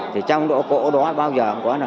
thì trong đó cỗ đó bao giờ cũng có nè